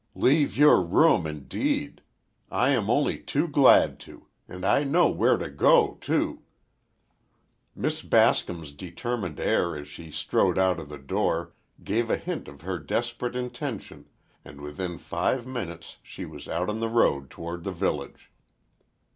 "Leave your room, indeed! I am only too glad to! And I know where to go, too." Miss Bascom's determined air as she strode out of the door gave a hint of her desperate intention and within five minutes she was out on the road toward the village.